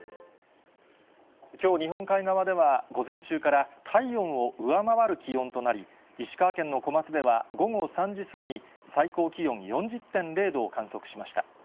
きょう、日本海側では午前中から、体温を上回る気温となり、石川県の小松では午後３時過ぎに最高気温４０．０度を観測しました。